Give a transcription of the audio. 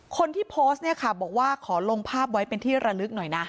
คนที่โพสต์เนี่ยค่ะบอกว่าขอลงภาพไว้เป็นที่ระลึกหน่อยนะ